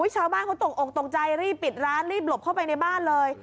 ชาวบ้านเขาตกอกตกใจรีบปิดร้านรีบหลบเข้าไปในบ้านเลย